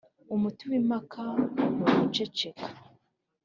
Umuti w’impaka ni uguceceka.